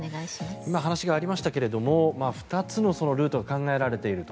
今、話がありましたけども２つのルートが考えられていると。